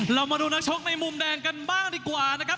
เรามาดูนักชกในมุมแดงกันบ้างดีกว่านะครับ